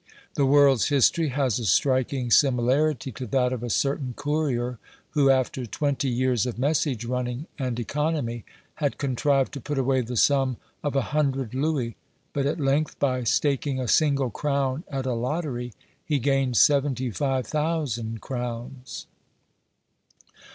The world's history has a striking similarity to that of a certain courier who, after twenty years of message running and economy, had contrived to put away the sum of a hundred louis, but at length, by staking a single crown at a lottery, he gained seventy five thousand crowns.